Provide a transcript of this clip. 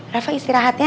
raffa istirahat ya